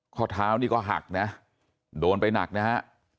ข้อเท้านี่ก็หักนะโดนไปหนักนะฮะ